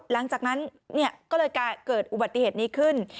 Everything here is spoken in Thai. หลังจากนั้นก็เลยเกิดอุบัติเหตุนี้ขึ้น